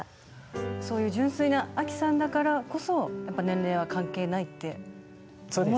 そういう純粋なアキさんだからこそやっぱ年齢は関係ないって。